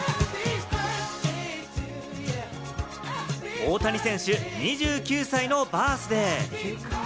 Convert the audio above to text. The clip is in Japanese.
大谷選手、２９歳のバースデー。